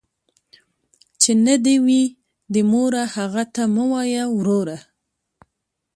ـ چې نه دې وي، د موره هغه ته مه وايه وروره.